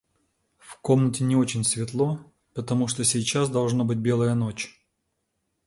В комнате не очень светло, потому что сейчас, должно быть, белая ночь.